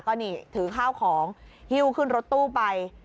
ก็นี่ถือข้าวของฮิ้วขึ้นรถตู้ไป